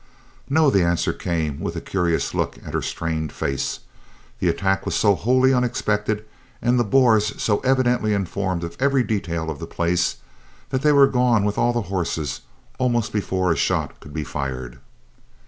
"No," the answer came, with a curious look at her strained face; "the attack was so wholly unexpected, and the Boers so evidently informed of every detail of the place, that they were gone with all the horses almost before a shot could be fired."